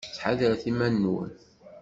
Ttḥadaret iman-nwen.